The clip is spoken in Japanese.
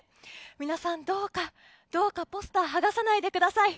皆さん、どうかどうかポスター剥がさないでください！